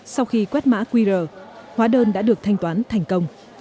sau khi quét mã qr hóa đơn đã được thanh toán thành công